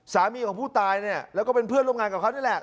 สามีของผู้ตายเนี่ยแล้วก็เป็นเพื่อนร่วมงานกับเขานี่แหละ